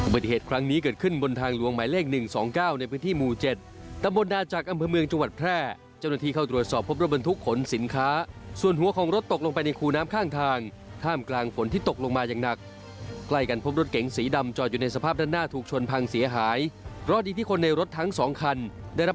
เหตุครั้งนี้เกิดขึ้นบนทางหลวงหมายเลข๑๒๙ในพื้นที่หมู่๗ตำบลนาจักรอำเภอเมืองจังหวัดแพร่เจ้าหน้าที่เข้าตรวจสอบพบรถบรรทุกขนสินค้าส่วนหัวของรถตกลงไปในคูน้ำข้างทางท่ามกลางฝนที่ตกลงมาอย่างหนักใกล้กันพบรถเก๋งสีดำจอดอยู่ในสภาพด้านหน้าถูกชนพังเสียหายเพราะดีที่คนในรถทั้งสองคันได้รับ